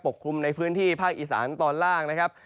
กลุ่มในพื้นที่ภาคอีสานตอนล่างนะครับ